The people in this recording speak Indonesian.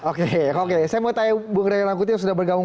oke oke saya mau tanya bung ray rangkuti yang sudah bergabung